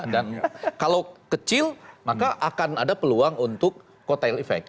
dan kalau kecil maka akan ada peluang untuk kotel efek